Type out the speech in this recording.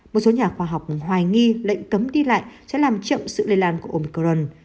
một số nhà khoa học hoài nghi lệnh cấm đi lại sẽ làm chậm sự lây lan của omicron